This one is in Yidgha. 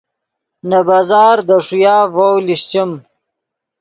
نے بازار دے ݰویا ڤؤ لیشچیم